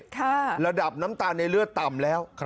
ค่ะค่ะราดับน้ำตาลในเลือดต่ำแล้ว